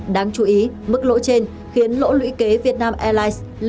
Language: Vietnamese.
đáng chú ý mức lỗ trên khiến lỗ lũy kế vietnam airlines lên hai mươi bốn năm trăm linh tỷ đồng hơn một tỷ usd